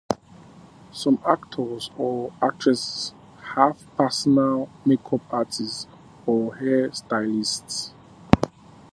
Some actors or actresses have personal makeup artists or hair stylists.